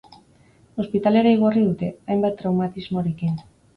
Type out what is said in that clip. Ospitalera igorri dute, hainbat traumatismorekin.